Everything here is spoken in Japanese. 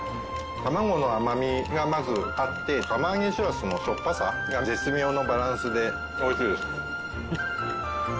卵の甘みがまずあって釜揚げしらすのしょっぱさが絶妙のバランスでおいしいです。